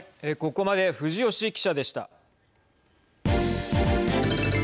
ここまで藤吉記者でした。